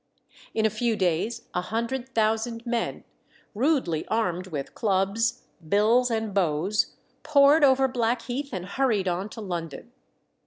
In a few days a hundred thousand men, rudely armed with clubs, bills, and bows, poured over Blackheath and hurried on to London.